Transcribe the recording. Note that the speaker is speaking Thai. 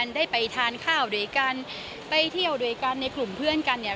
ได้ไปทานข้าวด้วยกันไปเที่ยวด้วยกันในกลุ่มเพื่อนกันเนี่ย